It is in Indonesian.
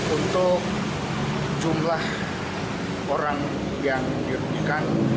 untuk jumlah orang yang dirugikan